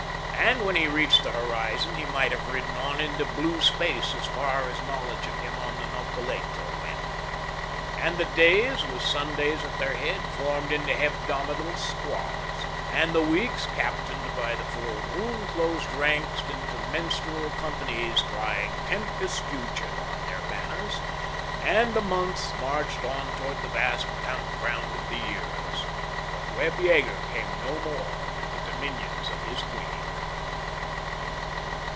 And when he reached the horizon he might have ridden on into blue space as far as knowledge of him on the Nopalito went. And the days, with Sundays at their head, formed into hebdomadal squads; and the weeks, captained by the full moon, closed ranks into menstrual companies crying "Tempus fugit" on their banners; and the months marched on toward the vast camp ground of the years; but Webb Yeager came no more to the dominions of his queen.